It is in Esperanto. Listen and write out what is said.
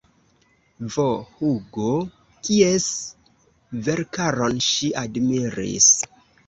V. Hugo kies verkaron ŝi admiris.